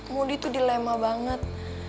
mondi tuh dilema banget